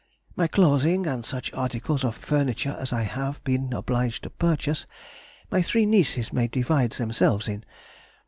My clothing and such articles of furniture as I have been obliged to purchase, my three nieces may divide themselves in.